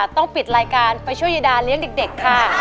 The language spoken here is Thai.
ต้องปิดรายการไปช่วยยายดาเลี้ยงเด็กค่ะ